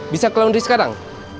bisa ke laundry sekarang